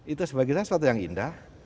itu sebagai saya suatu yang indah